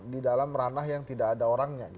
di dalam ranah yang tidak ada orangnya